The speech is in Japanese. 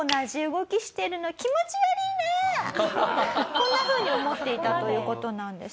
こんな風に思っていたという事なんです。